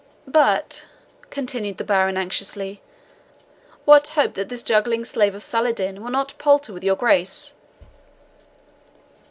"But," continued the baron anxiously, "what hope that this juggling slave of Saladin will not palter with your Grace?"